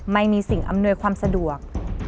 ไม่มีสิ่งอำนวยความสะดวก